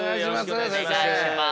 お願いします。